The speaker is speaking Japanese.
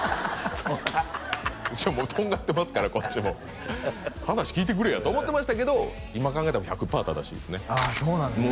そりゃとんがってますからこっちも話聞いてくれやと思ってましたけど今考えたら１００パー正しいですねあそうなんですね